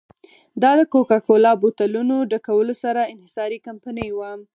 دا د کوکا کولا بوتلونو ډکولو ستره انحصاري کمپنۍ وه.